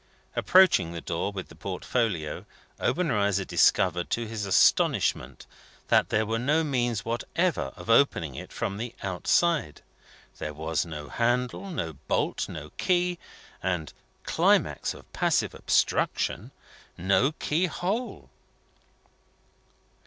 Approaching the door, with the portfolio, Obenreizer discovered, to his astonishment, that there were no means whatever of opening it from the outside. There was no handle, no bolt, no key, and (climax of passive obstruction!) no keyhole.